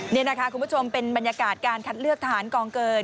นี่นะคะคุณผู้ชมเป็นบรรยากาศการคัดเลือกทหารกองเกิน